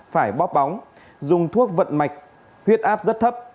phải bóp bóng dùng thuốc vận mạch huyết áp rất thấp